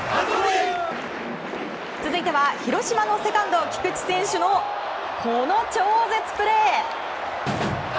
続いては広島のセカンド菊池選手のこの超絶プレー。